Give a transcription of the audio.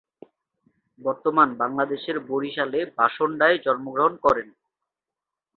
বর্তমান বাংলাদেশের বরিশালে বাসন্ডায় জন্ম গ্রহণ করেন।